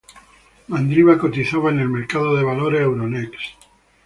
Mandriva cotizaba en el mercado de valores Euronext.